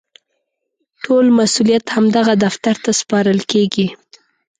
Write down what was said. ټول مسوولیت همدغه دفتر ته سپارل کېږي.